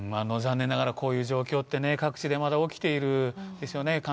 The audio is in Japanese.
残念ながらこういう状況ってね各地でまだ起きているんですよね。